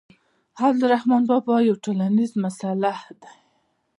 عبدالرحمان بابا یو ټولنیز مصلح دی.